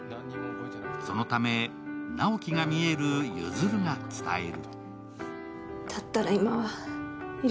そのため、直木が見える譲が伝える。